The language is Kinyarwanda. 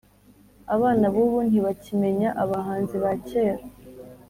Abana bubu ntibakimenya abahanzi ba kera